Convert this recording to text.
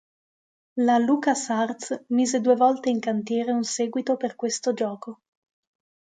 La Lucas Arts mise due volte in cantiere un seguito per questo gioco.